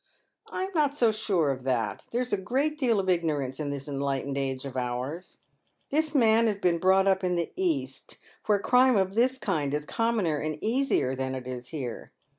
" I'm not so sure of that. There's a great deal of ignorance in this enlightened age of ours. This man has been brought up in the East, where crime of this kind is commoner and easier than it is here.